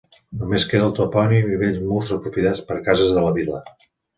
Només queda el topònim i vells murs aprofitats per cases de la vila.